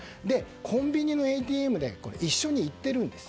コンビニのＡＴＭ一緒に行っているんです。